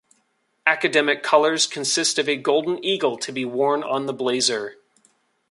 Academic colours consist of a golden eagle to be worn on the blazer.